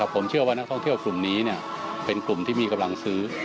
ผมเชื่อว่านักท่องเที่ยวกลุ่มนี้เป็นกลุ่มที่มีกำลังซื้อ